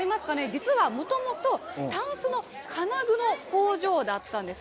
実は、もともとたんすの金具の工場だったんです。